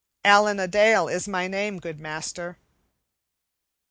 "Allen a Dale is my name, good master."